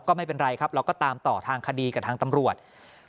ก็ไม่เป็นไรครับเราก็ตามต่อทางคดีกับทางตำรวจ